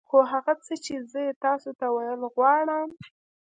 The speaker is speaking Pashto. خو هغه څه چې زه يې تاسو ته ويل غواړم.